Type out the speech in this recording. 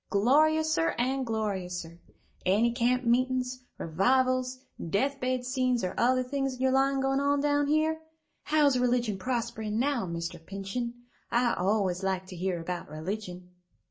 Gloriouser and gloriouser. Any camp meetin's, revivals, death bed scenes, or other things in your line going on down here? How's religion prospering now, Mr. Pinchen? I always like to hear about religion."